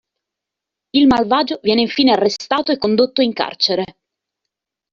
Il malvagio viene infine arrestato e condotto in carcere.